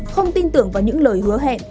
không tin tưởng vào những lời hứa hẹn